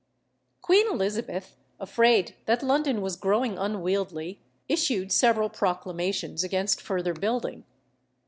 Queen Elizabeth, afraid that London was growing unwieldly, issued several proclamations against further building.